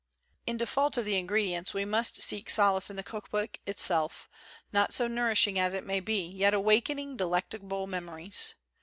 In default of the ingredients, we must seek solace in the cook book itself, not so nourishing it may be, yet awakening delectable memories.